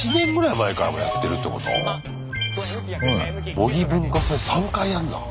模擬文化祭３回やんだ。